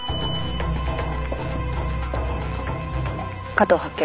加藤発見。